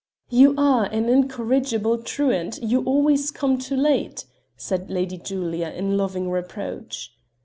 "You are an incorrigible truant, you always come too late;" said Lady Julia in loving reproach.